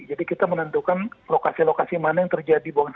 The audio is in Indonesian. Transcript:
jadi kita menentukan lokasi lokasi mana yang terjadi